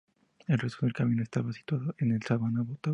El resto del camino estaba situado en la sabana bogotana.